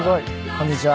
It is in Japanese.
こんにちは。